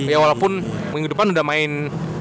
ya walaupun minggu depan udah main